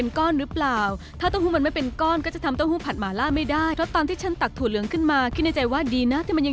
น้องเต้าหู้สู้สู้นะเรียกฉันเหรอคะใช่เธอนั่นแหละ